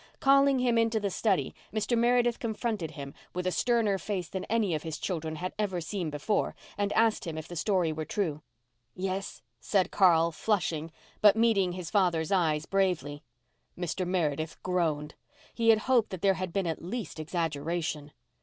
Calling him into the study Mr. Meredith confronted him, with a sterner face than any of his children had ever seen before, and asked him if the story were true. "Yes," said Carl, flushing, but meeting his father's eyes bravely. Mr. Meredith groaned. He had hoped that there had been at least exaggeration.